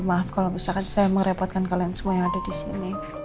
maaf kalau misalkan saya merepotkan kalian semua yang ada di sini